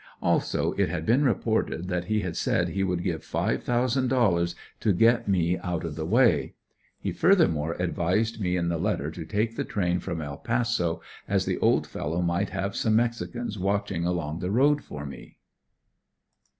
Also, it had been reported that he had said he would give five thousand dollars to get me out of the way. He furthermore advised me in the letter to take the train from El Paso, as the old fellow might have some mexicans watching along the road for me.